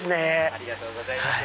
ありがとうございます。